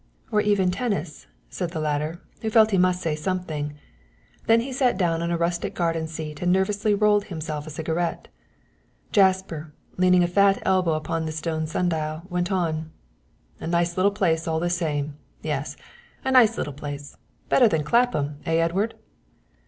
"Or even tennis," said the latter, who felt he must say something. Then he sat down on a rustic garden seat and nervously rolled himself a cigarette. Jasper, leaning a fat elbow upon the stone sundial, went on. "A nice little place all the same, yes, a nice little place. Better than Clapham, eh, Edward?"